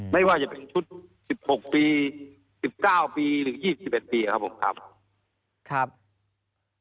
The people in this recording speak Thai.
ไม่ว่าจะเป็นชุด๑๖ปี๑๙ปีหรือ๒๑ปีครับผมครับ